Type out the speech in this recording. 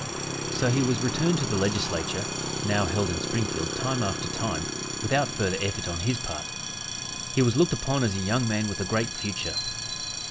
So he was returned to the Legislature, now held in Springfield, time after time, without further effort on his part. He was looked upon as a young man with a great future.